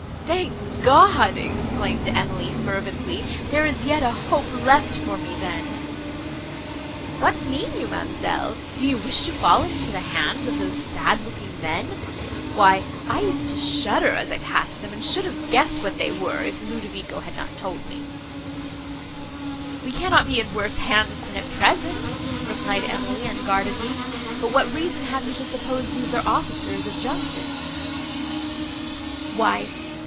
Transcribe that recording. "Thank God!" exclaimed Emily, fervently, "there is yet a hope left for me, then!" "What mean you, ma'amselle? Do you wish to fall into the hands of those sad looking men! Why I used to shudder as I passed them, and should have guessed what they were, if Ludovico had not told me." "We cannot be in worse hands than at present," replied Emily, unguardedly; "but what reason have you to suppose these are officers of justice?"